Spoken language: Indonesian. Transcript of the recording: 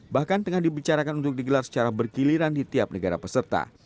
bahkan tengah dibicarakan untuk digelar secara bergiliran di tiap negara peserta